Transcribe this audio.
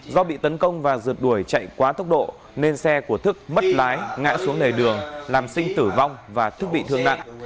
do bị tấn công và rượt đuổi chạy quá tốc độ nên xe của thức mất lái ngã xuống lề đường làm sinh tử vong và thức bị thương nặng